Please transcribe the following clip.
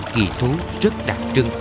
kỳ thú rất đặc trưng